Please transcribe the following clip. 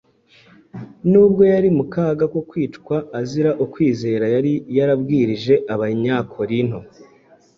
Nubwo yari mu kaga ko kwicwa azira ukwizera yari yarabwirije Abanyakorinto,